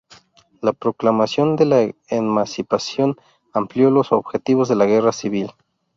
La Proclamación de la Emancipación amplió los objetivos de la Guerra Civil.